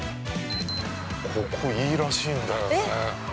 ◆ここ、いいらしいんだよね。